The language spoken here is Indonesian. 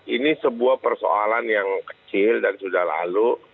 ini sebuah persoalan yang kecil dan sudah lalu